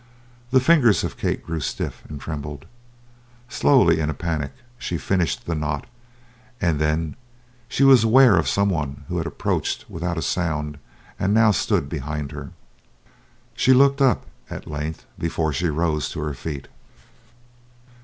The fingers of Kate grew stiff, and trembled. Slowly, in a panic, she finished the knot, and then she was aware of someone who had approached without sound and now stood behind her. She looked up, at length, before she rose to her feet.